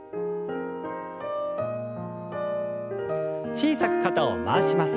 小さく肩を回します。